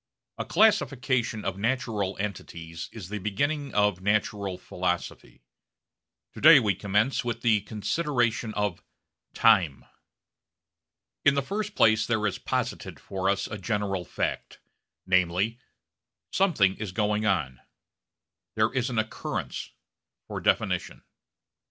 A classification of natural entities is the beginning of natural philosophy. To day we commence with the consideration of Time. In the first place there is posited for us a general fact: namely, something is going on; there is an occurrence for definition.